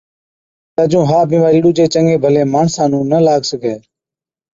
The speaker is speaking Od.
تہ جُون ها بِيمارِي ڏُوجي چڱي ڀلي ماڻسا نُون نہ لاگ سِگھَي۔